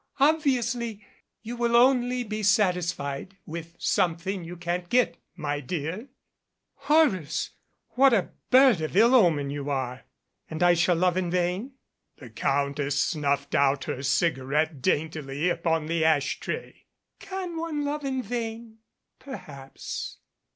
Obviously, you will only be satisfied with something you can't get, my dear." "Horrors ! What a bird of ill omen you are. And I shall love in vain?" The Countess snuffed out her cigarette daintily upon the ash tray. "Can one love in vain? Perhaps.